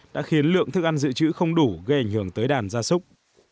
đã khiến lượng thức ăn dự trữ không đủ gây ảnh hưởng tới đàn gia súc